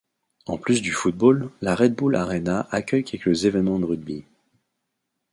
En plus du football, la Red Bull Arena accueil quelques événements de rugby.